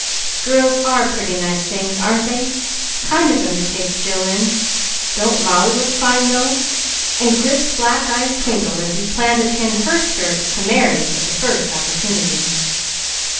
"Girls are pretty nice things, aren't they? Kind of 'em to take Jill in. Don't Molly look fine, though?" and Grif's black eyes twinkled as he planned to pin her skirts to Merry's at the first opportunity.